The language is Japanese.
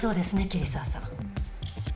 桐沢さん！